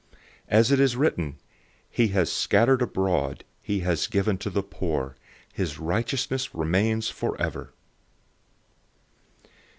009:009 As it is written, "He has scattered abroad, he has given to the poor. His righteousness remains forever."